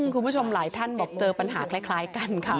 คุณผู้ชมหลายท่านบอกเจอปัญหาคล้ายกันค่ะ